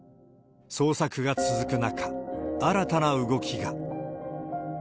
捜索が続く中、新たな動きが。